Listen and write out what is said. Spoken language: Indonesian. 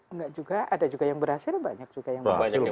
enggak juga ada juga yang berhasil banyak juga yang berhasil